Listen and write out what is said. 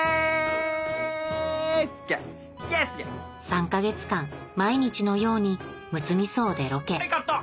３か月間毎日のようにむつみ荘でロケはいカット！